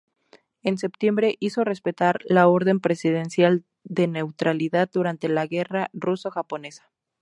En septiembre, hizo respetar la orden presidencial de neutralidad durante la guerra ruso-japonesa.